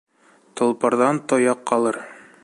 Толпарҙан тояҡ ҡалыр